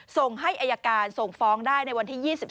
ส่งให้อายการส่งฟ้องได้ในวันที่๒๓